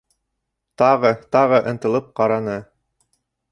Тағы, тағы ынтылып ҡараны.